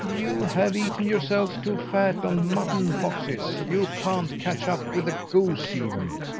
"You have eaten yourselves too fat on mutton, foxes. You can't catch up with a goose even."